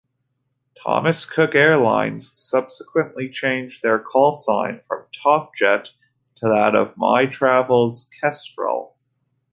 Thomas Cook Airlines subsequently changed their callsign from 'Topjet' to that of MyTravel's; 'Kestrel'.